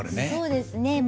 そうですね。